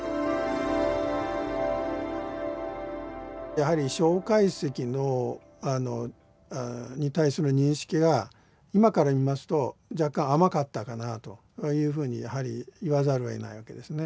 やはり蒋介石に対する認識が今から見ますと若干甘かったかなというふうにやはり言わざるをえないわけですね。